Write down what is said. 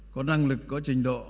có năng lực có trình độ